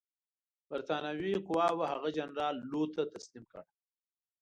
برټانوي قواوو هغه جنرال لو ته تسلیم کړ.